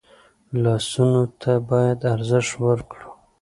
لاسونه ته باید ارزښت ورکړو